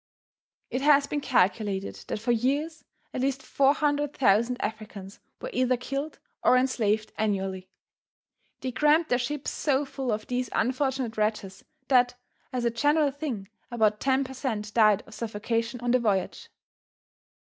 It has been calculated that for years, at least 400,000 Africans were either killed or enslaved annually. They crammed their ships so full of these unfortunate wretches, that, as a general thing, about ten per cent, died of suffocation on the voyage.